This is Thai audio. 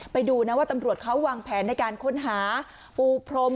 ไปดูนะว่าตำรวจเขาวางแผนในการค้นหาปูพรม